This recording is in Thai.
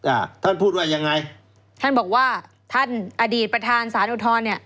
อ่าท่านพูดว่ายังไงท่านบอกว่าท่านอดีตประธานสารอุทธรณ์เนี่ย